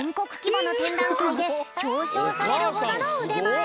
ぼのてんらんかいでひょうしょうされるほどのうでまえ。